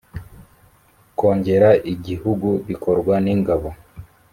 kongere igihugu bikorwa ningabo